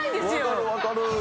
分かる分かる。